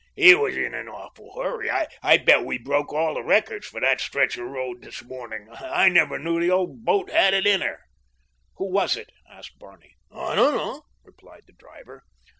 "He was in an awful hurry. I bet we broke all the records for that stretch of road this morning—I never knew the old boat had it in her." "Who was it?" asked Barney. "I dunno," replied the driver.